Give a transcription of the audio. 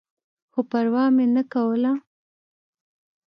خو پروا مې نه کوله.